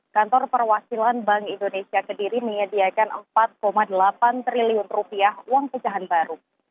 kantor perwakilan bank indonesia kediri menyediakan empat delapan triliun rupiah uang pecahan baru